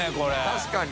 確かに。